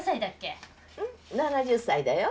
７０歳だよ。